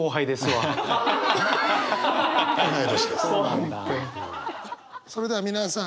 はい。